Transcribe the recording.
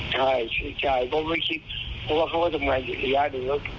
ใช่เสียใจก็ไม่คิดเพราะว่าเขาก็ทำงานอยู่ที่ร้าน